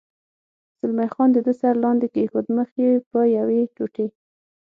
زلمی خان د ده سر لاندې کېښود، مخ یې په یوې ټوټې.